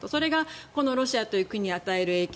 それがロシアという国に与える影響。